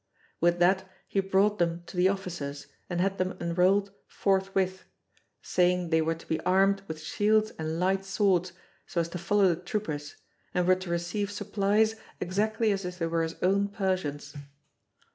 With that he brought them to the officers and had them enrolled forthwith, saying they were to be armed with shields and light swords, so as to follow the troopers, and were to receive supplies exactly as if they were his own Persians.